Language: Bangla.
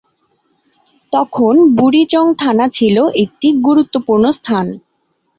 তখন বুড়িচং থানা ছিল একটি গুরুত্বপূর্ণ স্থান।